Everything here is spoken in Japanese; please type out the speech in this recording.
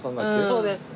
そうです。